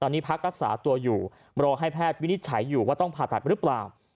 ตอนนี้พักรักษาตัวอยู่รอให้แพทย์วินิจฉัยอยู่ว่าต้องผ่าตัดหรือเปล่า